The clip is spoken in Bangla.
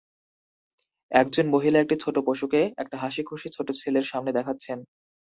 একজন মহিলা একটা ছোট পশুকে একটা হাসিখুশি ছোট ছেলের সামনে দেখাচ্ছেন।